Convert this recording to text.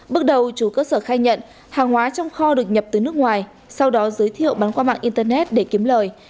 bước đầu chủ cơ sở khai nhận hàng hóa trong kho được nhập từ nước ngoài sau đó giới thiệu bán qua mạng internet để kiếm lời